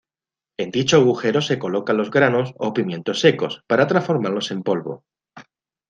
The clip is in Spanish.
En dicho agujero se colocan los granos o pimientos secos para transformarlos en polvo.